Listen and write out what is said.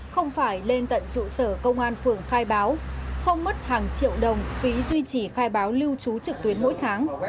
không phải lên tận trụ sở công an phường khai báo không mất hàng triệu đồng phí duy trì khai báo lưu trú trực tuyến mỗi tháng